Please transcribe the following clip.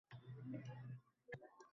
to‘g‘rimi?